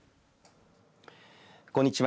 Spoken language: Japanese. こんにちは。